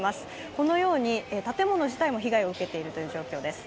このように建物自体も被害を受けている状況です。